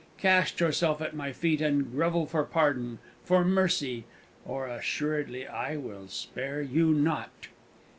Cast yourself at my feet, and grovel for pardon for mercy or assuredly I will spare you not!"